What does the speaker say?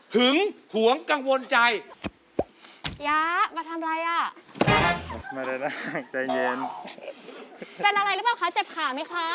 เป็นอะไรหรือเปล่าคะเจ็บขาไหมคะ